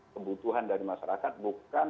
kebutuhan dari masyarakat bukan